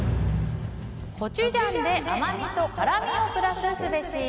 コチュジャンで甘味と辛味をプラスすべし。